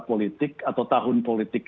politik atau tahun politik